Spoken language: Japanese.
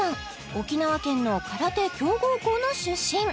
沖縄県の空手強豪校の出身